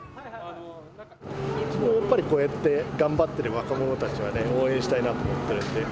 やっぱりこうやって頑張ってる若者たちはね応援したいなと思ってるんで。